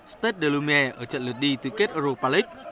stade de l humier ở trận lượt đi tư kết europa league